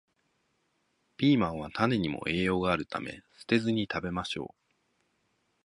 ピーマンは種にも栄養があるため、捨てずに食べましょう